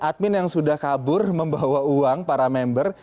admin yang sudah kabur membawa uang para member